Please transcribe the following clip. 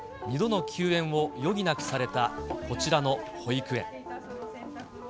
２度の休園を余儀なくされたこちらの保育園。